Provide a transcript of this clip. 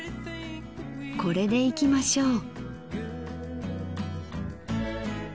これでいきましょう。